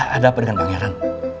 ada apa dengan pangeran